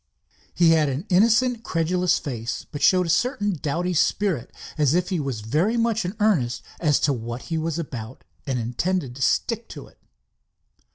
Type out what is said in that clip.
He had an innocent, credulous face, but showed a certain doughty spirit, as if he was very much in earnest as to what he was about and intended to stick to it.